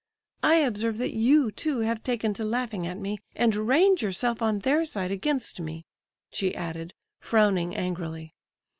I observe that you, too, have taken to laughing at me, and range yourself on their side against me," she added, frowning angrily.